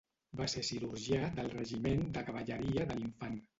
Va ser cirurgià del regiment de cavalleria de l'Infant.